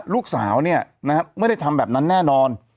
ลูกสาวไม่ได้ทำแบบนั้นแน่นอน